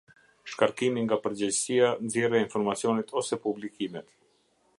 Shkarkimi nga përgjegjësia -nxjerrja e informacionit ose publikimet.